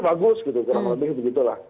bagus kurang lebih begitu